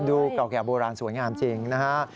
เก่าแก่โบราณสวยงามจริงนะฮะ